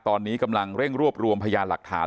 ตอนนี้กำลังเร่งรวบรวมพยานหลักฐาน